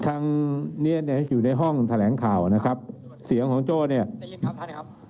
ทางเนียนเนี้ยอยู่ในห้องแสลงข่าวนะครับเสียงของโจ้เนี้ยได้ยินครับท่านเนี้ยครับ